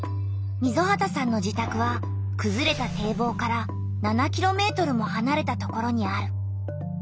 溝端さんの自たくはくずれた堤防から７ｋｍもはなれたところにある。